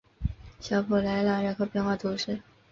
小普莱朗人口变化图示